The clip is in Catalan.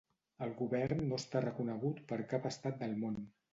El govern no està reconegut per cap estat del món.